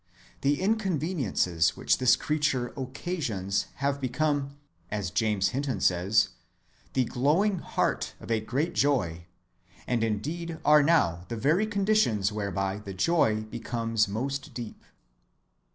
The inconveniences which this creature occasions have become, as James Hinton says, the glowing heart of a great joy, and indeed are now the very conditions whereby the joy becomes most deep.